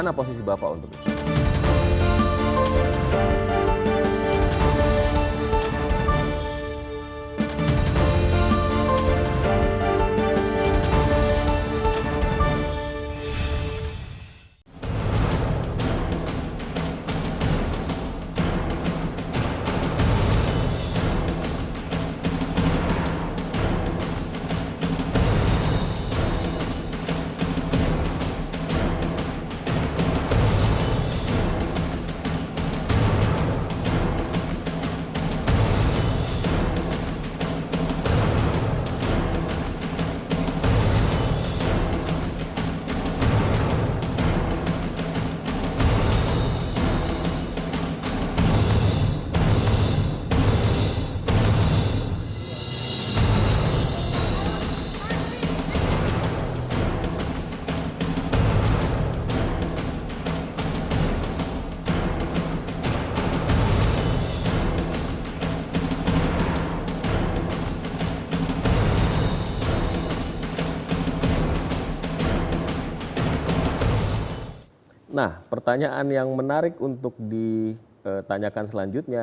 nah pertanyaan yang menarik untuk ditanyakan selanjutnya